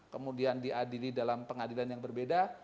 kemudian diadili dalam pengadilan yang berbeda